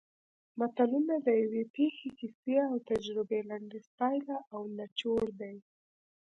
متلونه د یوې پېښې کیسې او تجربې لنډیز پایله او نچوړ دی